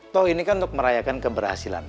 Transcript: toh ini kan untuk merayakan keberhasilan